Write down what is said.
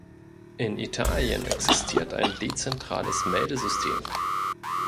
In Italien existiert ein dezentrales Meldesystem.